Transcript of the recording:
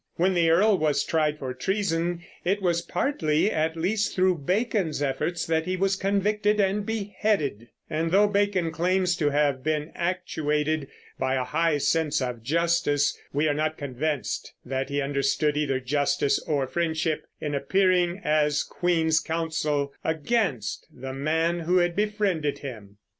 When the earl was tried for treason it was partly, at least, through Bacon's efforts that he was convicted and beheaded; and though Bacon claims to have been actuated by a high sense of justice, we are not convinced that he understood either justice or friendship in appearing as queen's counsel against the man who had befriended him.